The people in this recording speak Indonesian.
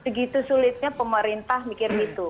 begitu sulitnya pemerintah mikir gitu